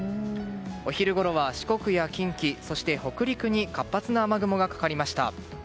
お昼ごろは、四国や近畿そして北陸に活発な雨雲がかかりました。